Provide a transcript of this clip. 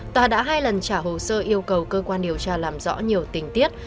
tòa đã hai lần trả hồ sơ yêu cầu cơ quan điều tra làm rõ nhiều tình tiết